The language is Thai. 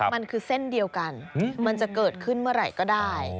มันคือเส้นเดียวกันมันจะเกิดขึ้นเมื่อไหร่ก็ได้